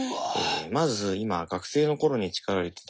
まず今学生の頃に力を入れてたこと